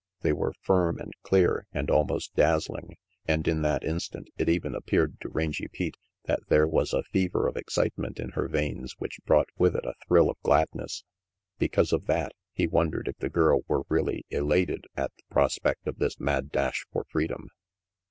They were firm and clear and almost dazzling, and in that instant it even appeared to Rangy Pete that there was a fever of excitement in her veins which brought with it a thrill of glad ness. Because of that, he wondered if the girl were really elated at the prospect of this mad dash for freedom.